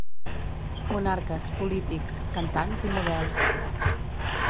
Monarques, polítics, cantants i models